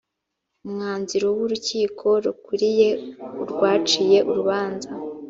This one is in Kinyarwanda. umwanziro w urukiko rukuriye urwaciye urubanza